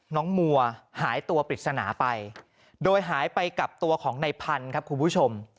มัวหายตัวปริศนาไปโดยหายไปกับตัวของในพันธุ์ครับคุณผู้ชม